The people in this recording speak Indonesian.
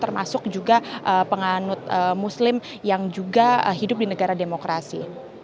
termasuk juga penganut muslim yang juga hidup di negara demokrasi